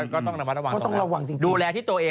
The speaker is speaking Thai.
ก็ต้องระวังตรงนั้นดูแลที่ตัวเอง